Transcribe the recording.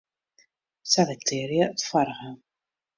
Selektearje it foarige.